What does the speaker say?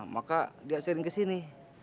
maka dia sering ke sini